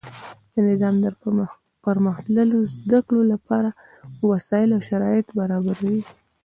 نظام د پرمختللو زده کړو له پاره وسائل او شرایط برابروي.